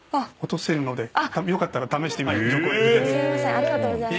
ありがとうございます。